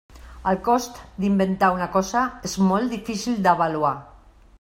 El cost d'inventar una cosa és molt difícil d'avaluar.